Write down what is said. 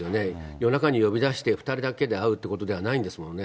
夜中に呼び出して２人だけで会うということではないんですもんね。